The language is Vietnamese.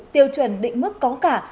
tiêu chuẩn định mức có cả